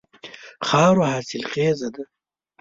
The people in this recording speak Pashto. خاوره حاصل خیزه ده.